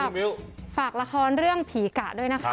มิ้วฝากละครเรื่องผีกะด้วยนะคะ